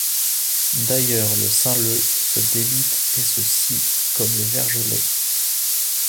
D'ailleurs le Sain-Leu se débite et se scie comme le vergelé.